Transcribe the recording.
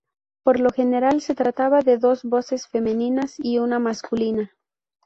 Por lo general se trataba de dos voces femeninas y una masculina.